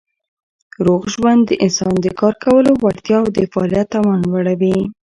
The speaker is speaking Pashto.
روغ ژوند د انسان د کار کولو وړتیا او د فعالیت توان لوړوي.